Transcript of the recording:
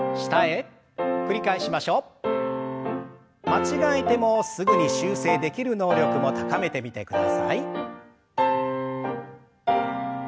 間違えてもすぐに修正できる能力も高めてみてください。